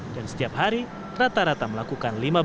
dan setiap hari rata rata melakukan lima belas satu